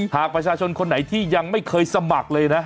หากประชาชนคนไหนที่ยังไม่เคยสมัครเลยนะ